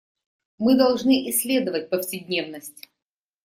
Мы должны исследовать повседневность.